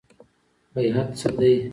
بیعت څه دی؟